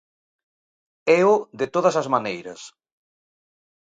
Éo de todas as maneiras.